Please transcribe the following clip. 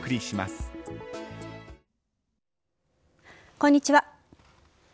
こんにちは。